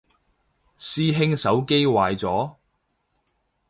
師兄手機壞咗？